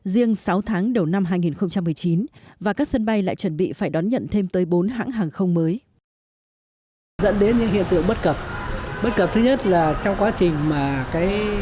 riêng sáu tháng đầu năm hai nghìn một mươi chín và các sân bay lại chuẩn bị phải đón nhận thêm tới bốn hãng hàng không mới